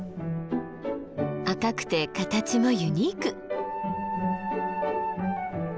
赤くて形もユニーク。